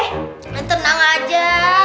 kalian tenang aja